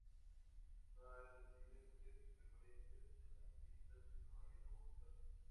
No hay residentes permanentes en las islas y no hay agua potable.